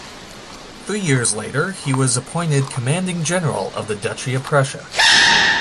Three years later he was appointed commanding general of the Duchy of Prussia.